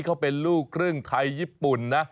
เขาเป็นลูกครึ่งไทยญี่ปุ่นนะ